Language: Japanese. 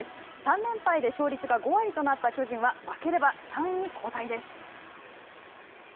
３連敗で勝率が５割となった巨人は負ければ３位に後退です。